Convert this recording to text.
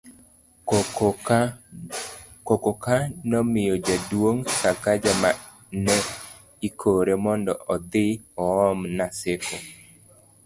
koko ka nomiyo Jaduong' Sakaja ma ne ikore mondo odhi oom Naseko